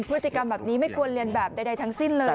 พฤติกรรมแบบนี้ไม่ควรเรียนแบบใดทั้งสิ้นเลย